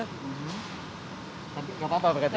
tapi gak apa apa berarti ya